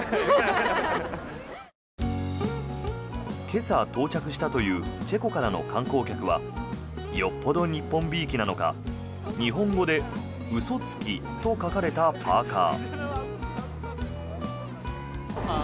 今朝、到着したというチェコからの観光客はよっぽど日本びいきなのか日本語で「うそつき」と書かれたパーカ。